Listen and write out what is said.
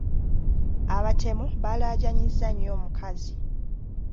Abatemu baalaajanyizza nnyo omukazi.